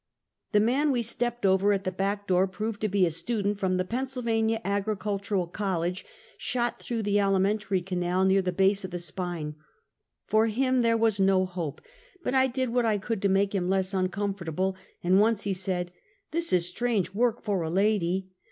The man we stepped over at the back door, proved to be a student from the Pennsylvania Agricultural College, shot through the alimentary canal, near the base of the spine. For him there was no hope, but I did what I could to make him less uncomfortable, and once he said: " This is strange work for a lady."